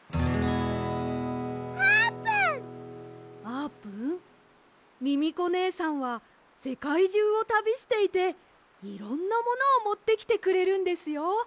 あーぷんミミコねえさんはせかいじゅうをたびしていていろんなものをもってきてくれるんですよ。